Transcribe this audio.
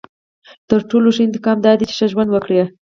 • تر ټولو ښه انتقام دا دی چې ښه ژوند وکړې.